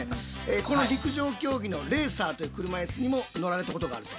この陸上競技のレーサーという車いすにも乗られたことがあると。